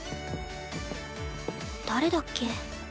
誰だっけ？